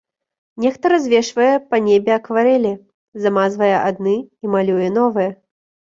Нехта развешвае па небе акварэлі, замазвае адны і малюе новыя.